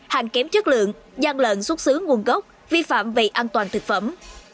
hàng kém chất lượng gian lợn xuất xứ nguồn gốc vi phạm về an toàn thực phẩm